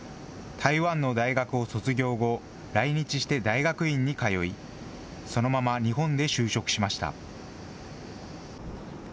台湾の大学を卒業後、来日して大学院に通い、そのまま日本で就職しました。